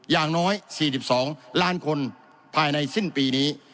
อย่างน้อย๔๒ล้านคนภายในสิ้นปีนี้